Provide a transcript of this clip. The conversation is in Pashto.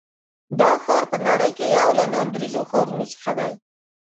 دا ښار په نړۍ کې یو له ناندرییزو ښارونو څخه دی.